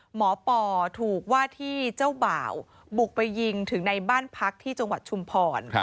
ปอถูกว่าที่เจ้าบ่าวบุกไปยิงถึงในบ้านพักที่จังหวัดชุมพร